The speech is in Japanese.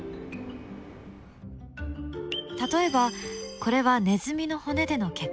例えばこれはネズミの骨での結果。